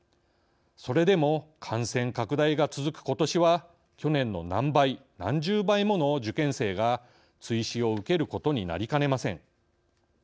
それでも感染拡大が続く、ことしは去年の何倍、何十倍もの受験生が追試を受けることになりかねません。